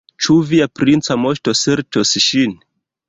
Ĉu via princa moŝto serĉos ŝin?